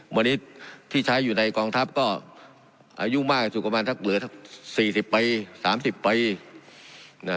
วันนี้ที่ใช้อยู่ในกองทัพก็อายุมากยาคือขนาดเจือ๔๐ปี๓๐ปี